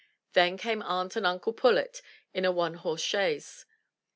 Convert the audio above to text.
Then came Aunt and Uncle Pullet in a one horse chaise.